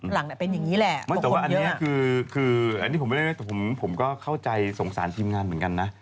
หลังเนี่ยเป็นอย่างนี้แหละแต่ว่าอันนี้คือผมก็เข้าใจสงสารทีมงานเหมือนกันนะ